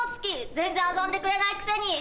全然遊んでくれないくせに。